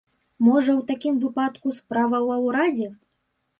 Можа, у такім выпадку, справа ва ўрадзе?